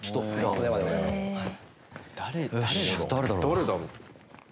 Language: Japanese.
誰だろう？